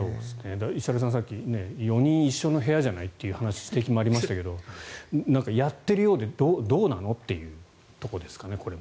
石原さん、さっき４人一緒の部屋じゃないという指摘もありましたけどなんかやっているようでどうなの？というところですかねこれも。